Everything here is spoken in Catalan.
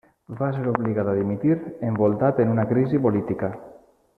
Va ser obligat a dimitir, envoltat en una crisi política.